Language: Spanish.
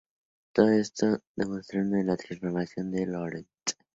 Todo esto está demostrado en la transformación de Lorentz.